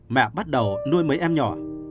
mẹ bắt đầu nuôi mấy em nhỏ